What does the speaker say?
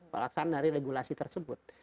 peralasan dari regulasi tersebut